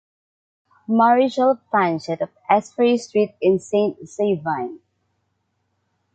Maréchal Franchet of Esperey street in Sainte-Savine.